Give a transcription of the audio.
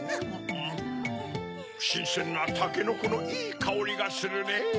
しんせんなたけのこのいいかおりがするねぇ。